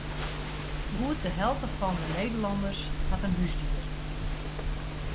Goed de helte fan de Nederlanners hat in húsdier.